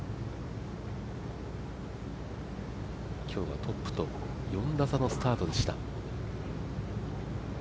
今日はトップと４打差のスタートでした。